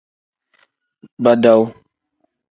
Badawu.